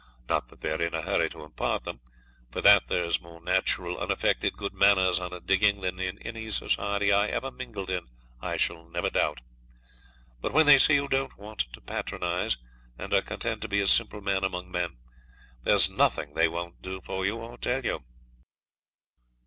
Not that they're in a hurry to impart them; for that there's more natural, unaffected good manners on a digging than in any society I ever mingled in I shall never doubt. But when they see you don't want to patronise, and are content to be a simple man among men, there's nothing they won't do for you or tell you.'